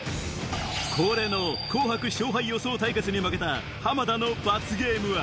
恒例の『紅白』勝敗予想対決に負けた浜田の罰ゲームは？